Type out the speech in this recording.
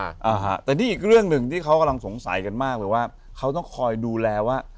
อ่าฮะแต่นี่อีกเรื่องหนึ่งที่เขากำลังสงสัยกันมากเลยว่าเขาต้องคอยดูแลว่า